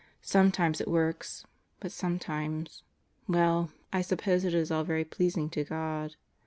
Sometimes it works, but sometimes ... Well, I suppose it is all very pleasing to God.